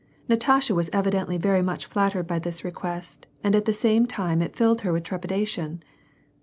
Natasha was evidentlv very much flattered by this request and at the same time it filled her with trepidation.